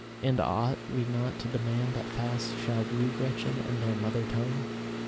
And ought we not to demand that Faust shall woo Gretchen in their mother tongue?